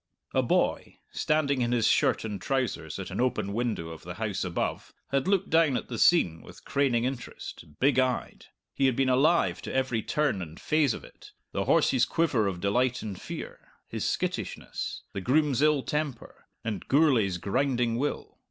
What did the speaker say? A boy, standing in his shirt and trousers at an open window of the house above, had looked down at the scene with craning interest big eyed. He had been alive to every turn and phase of it the horse's quiver of delight and fear, his skittishness, the groom's ill temper, and Gourlay's grinding will.